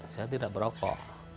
saya tidak perokok